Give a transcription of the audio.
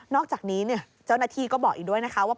นอกจากนี้เจ้าหน้าทีบอกอีกด้วยว่า